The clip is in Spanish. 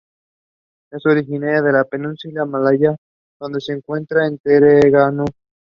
Es originaria de la Península Malaya donde se encuentra en Terengganu.